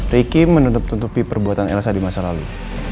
riki menutup tutupi perbuatan elsa di masa lalu